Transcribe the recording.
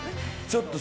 ちょっと。